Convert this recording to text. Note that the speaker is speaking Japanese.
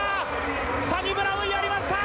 サニブラウンやりました！